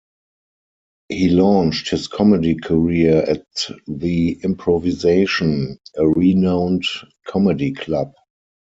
He launched his comedy career at The Improvisation, a renowned comedy club.